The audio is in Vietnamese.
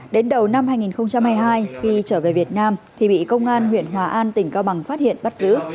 đến đầu năm hai nghìn hai mươi hai khi trở về việt nam thì bị công an huyện hòa an tỉnh cao bằng phát hiện bắt giữ